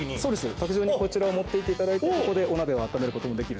卓上にこちらを持っていっていただいてそこでお鍋をあっためる事もできる。